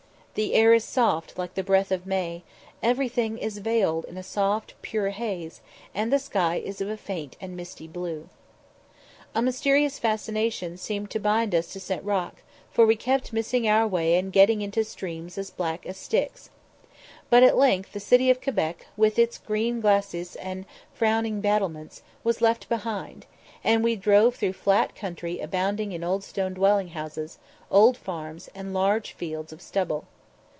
The air is soft like the breath of May; everything is veiled in a soft pure haze, and the sky is of a faint and misty blue. A mysterious fascination seemed to bind us to St. Roch, for we kept missing our way and getting into "streams as black as Styx." But at length the city of Quebec, with its green glacis and frowning battlements, was left behind, and we drove through flat country abounding in old stone dwelling houses, old farms, and large fields of stubble.